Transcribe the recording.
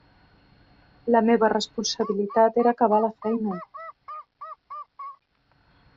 La meva responsabilitat era acabar la feina.